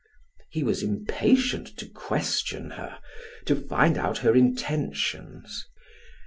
He was impatient to question her, to find out her intentions.